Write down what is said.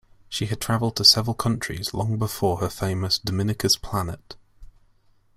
She had traveled to several countries long before her famous Dominika's Planet.